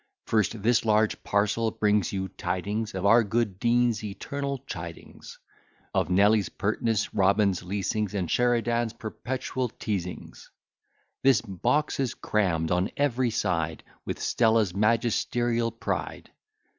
First, this large parcel brings you tidings Of our good Dean's eternal chidings; Of Nelly's pertness, Robin's leasings, And Sheridan's perpetual teazings. This box is cramm'd on every side With Stella's magisterial pride.